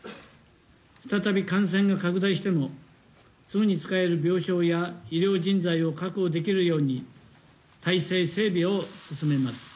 再び感染が拡大してもすぐに使える病床や医療人材を確保できるように体制整備を進めます。